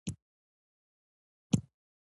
زاړه او نوي سره ګډ دي.